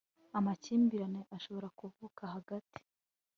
amakimbirane ashobora kuvuka hagati